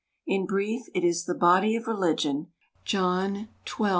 In brief, it is the body of religion (John xii.